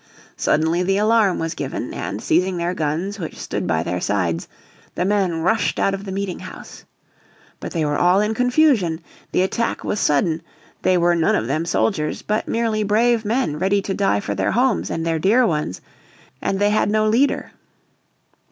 Suddenly the alarm was given, and, seizing their guns which stood by their sides, the men rushed out of the meeting house. But they were all in confusion: the attack was sudden, they were none of them soldiers, but merely brave men ready to die for their homes and their dear ones, and they had and they had no leader.